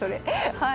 はい。